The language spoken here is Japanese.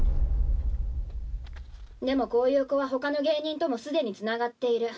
「でもこういう子は他の芸人ともすでにつながっている」